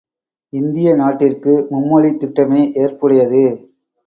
இந்திய நாட்டிற்கு மும்மொழித் திட்டமே ஏற்புடையது.